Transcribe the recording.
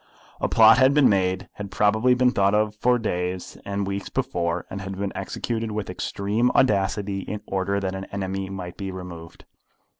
A plot had been made, had probably been thought of for days and weeks before, and had been executed with extreme audacity, in order that an enemy might be removed.